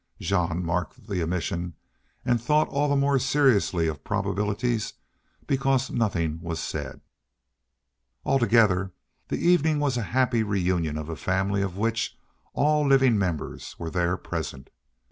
Jean marked the omission and thought all the more seriously of probabilities because nothing was said. Altogether the evening was a happy reunion of a family of which all living members were there present.